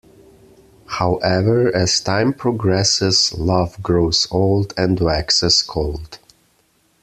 However, as time progresses, love grows old, and waxes cold.